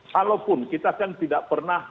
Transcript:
kalaupun kita kan tidak pernah